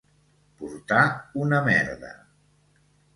Portar una merda.